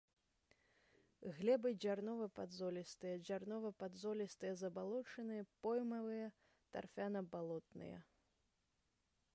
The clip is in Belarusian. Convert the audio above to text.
Глебы дзярнова-падзолістыя, дзярнова-падзолістыя забалочаныя, поймавыя, тарфяна-балотныя.